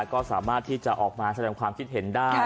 ก็สามารถที่จะออกมาแสดงความคิดเห็นได้